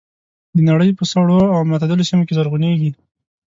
د نړۍ په سړو او معتدلو سیمو کې زرغونېږي.